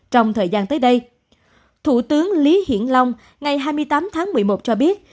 trong thời gian tới đây thủ tướng lý hiển long ngày hai mươi tám tháng một mươi một cho biết